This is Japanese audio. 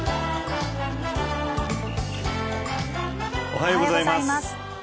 おはようございます。